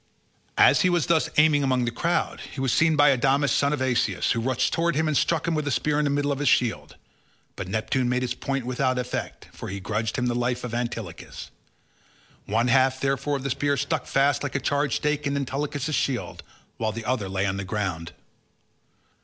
As he was thus aiming among the crowd, he was seen by Adamas, son of Asius, who rushed towards him and struck him with a spear in the middle of his shield, but Neptune made its point without effect, for he grudged him the life of Antilochus. One half, therefore, of the spear stuck fast like a charred stake in Antilochus's shield, while the other lay on the ground.